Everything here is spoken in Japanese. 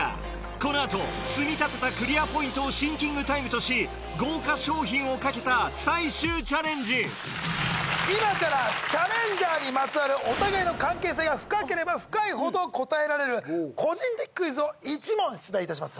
この後積み立てたクリアポイントをシンキングタイムとし今からチャレンジャーにまつわるお互いの関係性が深ければ深いほど答えられる個人的クイズを１問出題いたします。